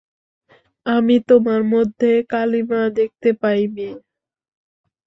আমি তোমার মধ্যে কালিমা দেখতে পাই, মেয়ে।